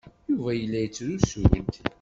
Yuba yella yettrusu-d.